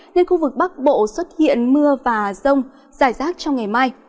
nên khu vực bắc bộ xuất hiện mưa và rông rải rác trong ngày mai